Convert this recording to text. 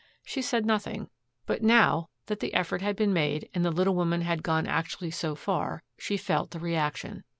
She said nothing, but now that the effort had been made and the little woman had gone actually so far, she felt the reaction.